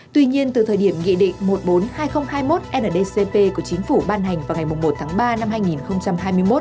tuy nhiên từ thời điểm nghị định một mươi bốn hai nghìn hai mươi một ndcp của chính phủ ban hành vào ngày một ba hai nghìn hai mươi một